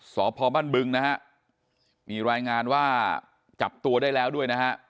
สพบ้านบึงนะฮะมีรายงานว่าจับตัวได้แล้วด้วยนะฮะ